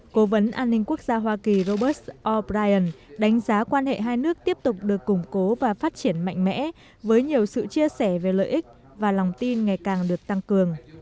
cố vấn an ninh quốc gia hoa kỳ robert o brien đánh giá quan hệ hai nước tiếp tục được củng cố và phát triển mạnh mẽ với nhiều sự chia sẻ về lợi ích và lòng tin ngày càng được tăng cường